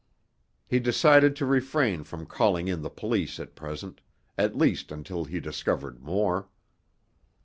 He decided to refrain from calling in the police at present, at least until he discovered more.